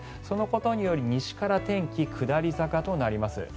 そのことにより西から天気が下り坂になります。